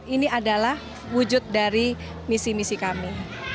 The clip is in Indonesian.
ini adalah wujud dari misi misi kami